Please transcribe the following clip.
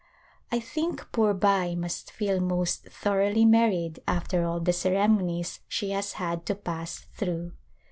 I think poor Bai must feel most thoroughly married after all the ceremonies she has had to pass through.